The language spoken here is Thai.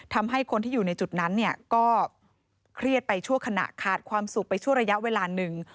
ทำให้คนที่อยู่ในจุดนั้นเนี่ยก็เครียดไปชั่วขณะขาดความสุขไปชั่วระยะเวลาหนึ่ง